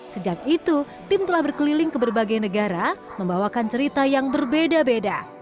sejak itu tim telah berkeliling ke berbagai negara membawakan cerita yang berbeda beda